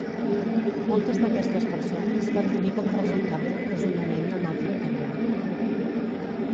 Moltes d'aquestes persones van morir com a resultat de l'empresonament i el maltractament.